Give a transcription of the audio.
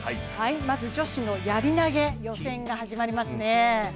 まず女子のやり投予選が始まりますね。